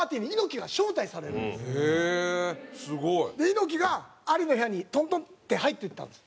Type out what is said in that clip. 猪木がアリの部屋にトントンって入っていったんです。